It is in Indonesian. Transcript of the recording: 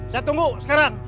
saya tunggu sekarang